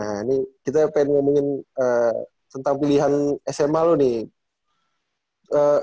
nah ini kita pengen ngomongin tentang pilihan sma loh nih